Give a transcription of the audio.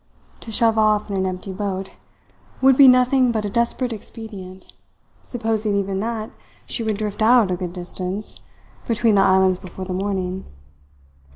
To shove off in an empty boat would be nothing but a desperate expedient, supposing even that she would drift out a good distance between the islands before the morning.